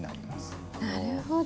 なるほど。